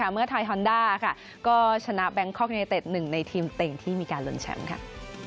เมื่อไทยฮอนดาก็ชนะแบงคกยูเนตเต็ด๑ในทีมเต่งที่มีการล้นแชมป์